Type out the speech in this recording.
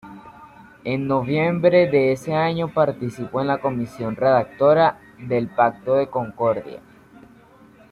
En noviembre de ese año participó en la comisión redactora del Pacto de Concordia.